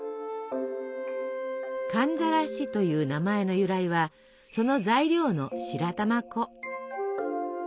「寒ざらし」という名前の由来はその材料の白玉粉。